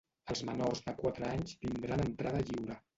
Els menors de quatre anys tindran entrada lliure.